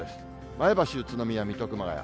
前橋、宇都宮、水戸、熊谷。